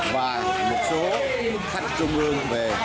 và một số khách trung ương về